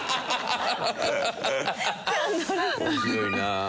面白いな。